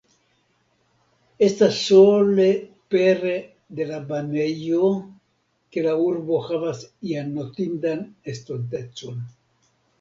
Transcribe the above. Estas sole pere de la banejo, ke la urbo havas ian notindan estontecon.